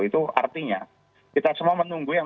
itu artinya kita semua menunggu yang